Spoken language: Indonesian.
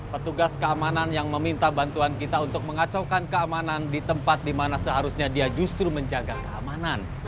petugas keamanan yang meminta bantuan kita untuk mengacaukan keamanan di tempat di mana seharusnya dia justru menjaga keamanan